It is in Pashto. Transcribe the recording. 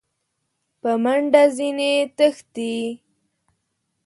په منډه ځني تښتي !